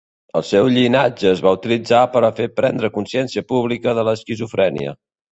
El seu llinatge es va utilitzar per a fer prendre consciència pública de l'esquizofrènia.